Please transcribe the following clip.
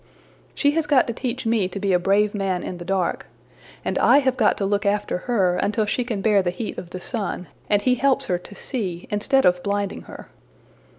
She has got to teach me to be a brave man in the dark, and I have got to look after her until she can bear the heat of the sun, and he helps her to see, instead of blinding her.''